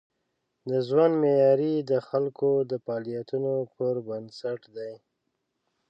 د ژوند معیاري د خلکو د فعالیتونو پر بنسټ دی.